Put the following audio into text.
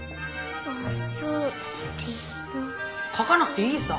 書かなくていいさ。